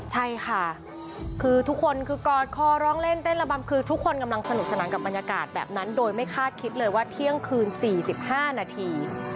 ใช่ค่ะคือทุกคนคือกอดคอร้องเล่นเต้นระบำคือทุกคนกำลังสนุกสนานกับบรรยากาศแบบนั้นโดยไม่คาดคิดเลยว่าเที่ยงคืน๔๕นาที